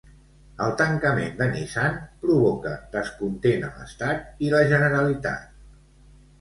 El tancament de Nissan provoca descontent a l'Estat i la Generalitat.